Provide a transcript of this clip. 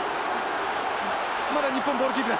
まだ日本ボールキープです。